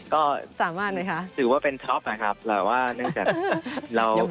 ก็ถือว่าเป็นท็อปนะครับแล้วว่าแต่เราเคยอีกมาก